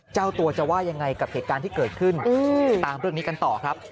เจ้าตัวจะว่ายังไงกับเหตุการณ์ที่เกิดขึ้นตามเรื่องนี้กันต่อครับ